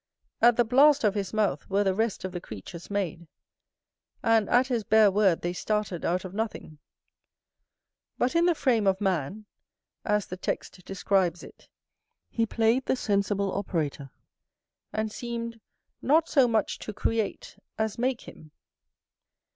At the blast of his mouth were the rest of the creatures made; and at his bare word they started out of nothing: but in the frame of man (as the text describes it) he played the sensible operator, and seemed not so much to create as make him.